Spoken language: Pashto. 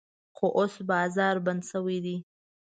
خو اوس بازار بند شوی دی.